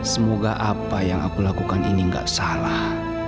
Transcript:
semoga apa yang aku lakukan ini gak salah